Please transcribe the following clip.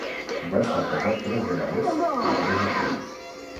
Va estar casat tres vegades, amb tres actrius.